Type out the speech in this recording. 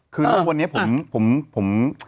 คือว่าวันนี้ผม